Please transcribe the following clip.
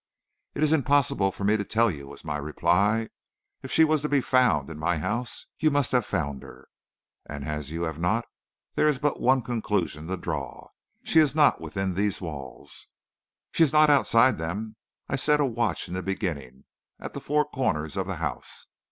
"'It is impossible for me to tell you,' was my reply. 'If she was to be found in my house, you must have found her. As you have not, there is but one conclusion to draw. She is not within these walls.' "'She is not outside of them. I set a watch in the beginning, at the four corners of the house.